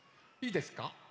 いいですか？